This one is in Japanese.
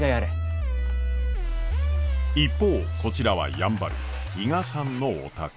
一方こちらはやんばる比嘉さんのお宅。